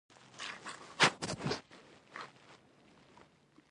ایا زه باید شامپو وکاروم؟